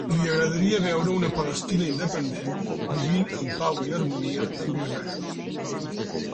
Li agradaria veure una Palestina independent vivint en pau i harmonia amb Israel.